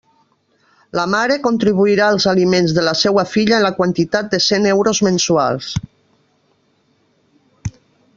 La mare contribuirà als aliments de la seua filla en la quantitat de cent euros mensuals.